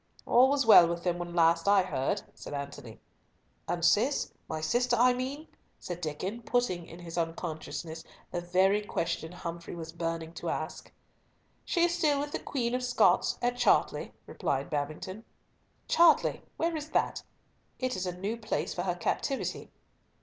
"All was well with them when last I heard," said Antony. "And Cis—my sister I mean?" said Diccon, putting, in his unconsciousness, the very question Humfrey was burning to ask. "She is still with the Queen of Scots, at Chartley," replied Babington. "Chartley, where is that? It is a new place for her captivity."